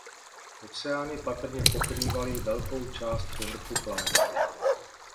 Oceány patrně pokrývaly velkou část povrchu planety.